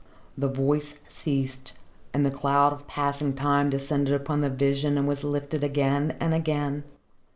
The voice ceased and the cloud of passing time descended upon the vision and was lifted again and again.